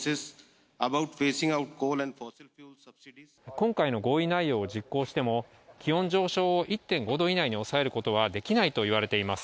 今回の合意内容を実行しても気温上昇を１．５度以内に抑えることはできないといわれています。